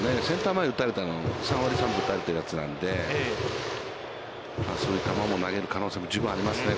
前、打たれたやつ、３割３分打たれたやつなので、そういう球も投げる可能性も十分ありますね。